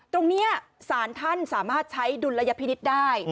ตรงนี้ศาลท่านสามารถใช้ดุลยพินิษฐ์ได้